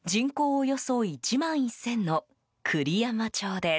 およそ１万１０００の栗山町です。